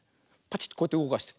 パチッてこうやってうごかして。